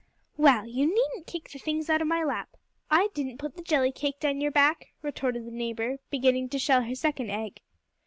"Well, you needn't kick the things out of my lap. I didn't put the jelly cake down your back," retorted the neighbor, beginning to shell her second egg.